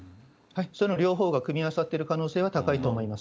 その両方が組み合わさっている可能性は高いと思います。